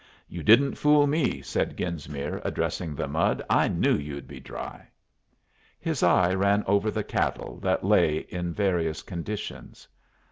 "You didn't fool me," said Genesmere, addressing the mud. "I knew you'd be dry." His eye ran over the cattle, that lay in various conditions.